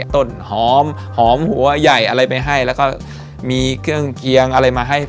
ต้นหอมหอมหัวใหญ่อะไรไปให้แล้วก็มีเครื่องเกียงอะไรมาให้